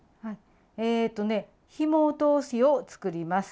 えっとねひも通しを作ります。